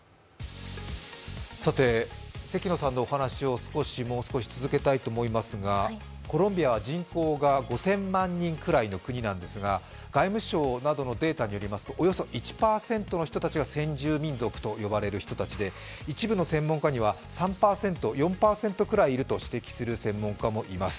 関野さんのお話をもう少し続けたいと思いますがコロンビアは人口が５０００万人ぐらいの国なんですが、外務省などのデータによりますとおよそ１％の人たちが先住民族と呼ばれる人たちで一部の専門家には３％、４％くらいいると指摘する専門家もいます。